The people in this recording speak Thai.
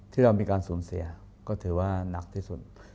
ที่เรามีการสูญเสียก็ถือว่านักที่สุด